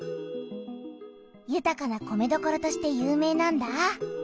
ゆたかな米どころとして有名なんだ。